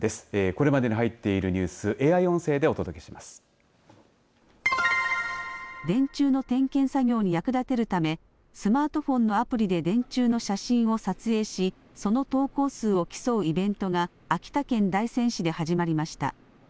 これまでに入っているニュース電柱の点検作業に役立てるためスマートフォンのアプリで電柱の写真を撮影しその投稿数を競うイベントが秋田県大仙市で始まりました。